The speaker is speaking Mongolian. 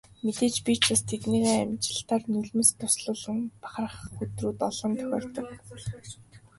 Мэдээж би ч бас тэднийхээ амжилтаар нулимс дуслуулан бахархах өдрүүд олон тохиолддог.